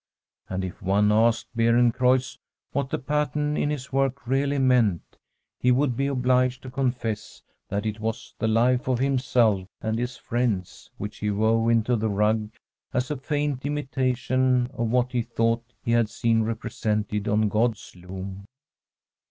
And if one asked Beerencreutz what the pattern in his work really meant, he would be obliged to confess that it was the life of himself and his friends which he wove into the rug as a faint imitation of what he thought he had seen represented on God's loom.